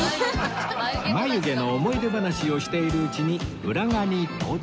眉毛の思い出話をしているうちに浦賀に到着